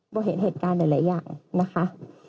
เห็นเหตุการณ์หลายอย่างนะคะ